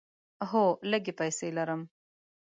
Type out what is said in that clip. هو، لږې پیسې لرم